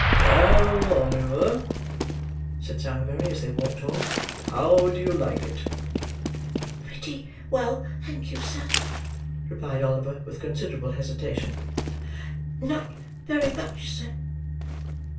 "Well, Oliver," said Sowerberry, as they walked home, "how do you like it?" "Pretty well, thank you, sir" replied Oliver, with considerable hesitation. "Not very much, sir."